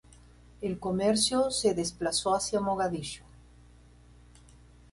El comercio se desplazó hacia Mogadiscio.